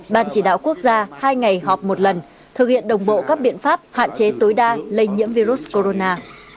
ban chỉ đạo quốc gia hai ngày họp một lần thực hiện đồng bộ các biện pháp hạn chế tối đa lây nhiễm virus corona